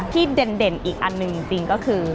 เด่นอีกอันหนึ่งจริงก็คือ